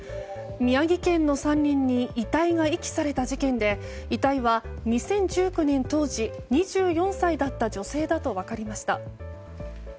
宮城県の山林に遺体が遺棄された事件で遺体は２０１９年当時、２４歳だった女性だと分かりました。